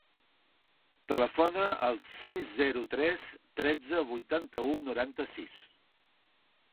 Telefona al sis, zero, tres, tretze, vuitanta-u, noranta-sis.